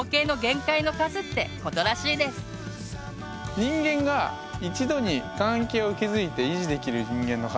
人間が一度に関係を築いて維持できる人間の数。